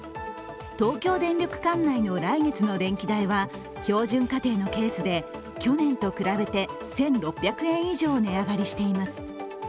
東京電力管内の来月の電気代は標準家庭のケースで去年と比べて１６００円以上、値上がりしています。